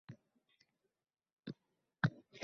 Qalbi Mumtoz Mahaldan.